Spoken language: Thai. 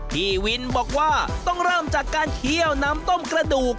พี่วินบอกว่าต้องเริ่มจากการเคี่ยวน้ำต้มกระดูก